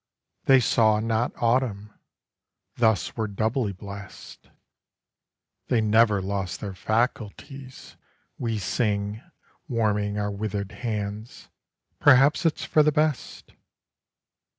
They saw not autumn, thus were doubly blest ;'' They never lost their faculties ' we sing, Warming our withered hands ;' Perhaps it's for the best.